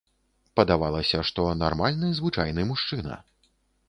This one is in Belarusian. Падавалася, што нармальны звычайны мужчына.